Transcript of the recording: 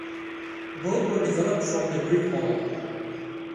Both were developed from the Greek model.